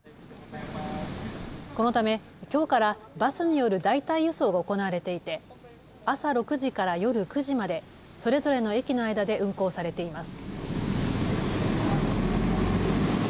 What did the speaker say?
このため、きょうからバスによる代替輸送が行われていて朝６時から夜９時までそれぞれの駅の間で運行されています。